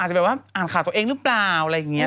จะแบบว่าอ่านข่าวตัวเองหรือเปล่าอะไรอย่างนี้